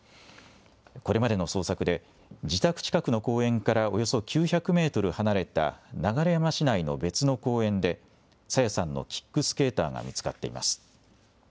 これまでの捜索で、自宅近くの公園からおよそ９００メートル離れた流山市内の別の公園で、朝芽さんのキックスケーターが見つかっています。